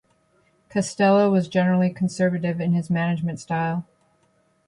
Costello was generally conservative in his management style.